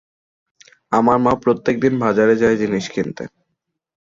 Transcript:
আমার মা প্রত্যেকদিন বাজারে যায় জিনিস কিনতে।